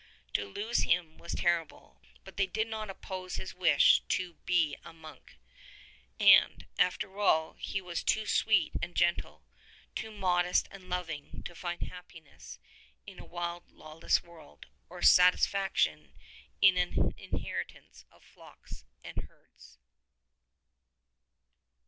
To lose him was terrible, but they did not oppose his wish to be a monk. And, after all, he was too sweet and gentle, too modest and loving to find happiness in a wild lawless world, or satisfac tion in an inheritance of flocks and herds.